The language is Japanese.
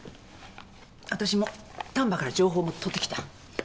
私も丹波から情報取ってきた。